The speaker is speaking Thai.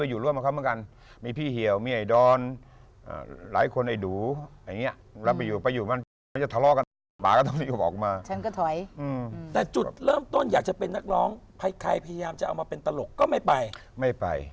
สูตรเทพโพงามจริงจริงอ่ะค่ะแต่ว่ามาอยู่วงการถ้าสูตรเทพมันมันก็มันจะยาวไป